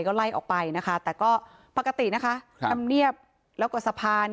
ก็ไล่ออกไปนะคะแต่ก็ปกตินะคะธรรมเนียบแล้วก็สภา